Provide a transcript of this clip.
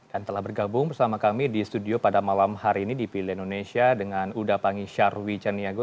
dan telah bergabung bersama kami di studio pada malam hari ini di pilihan indonesia dengan uda pangisarwi caniago